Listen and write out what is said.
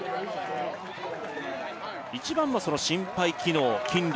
はい一番は心肺機能筋力